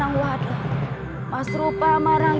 aku mau berubah lagi